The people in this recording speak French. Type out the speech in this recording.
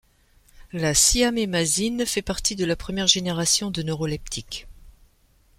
La cyamémazine fait partie de la première génération de neuroleptiques.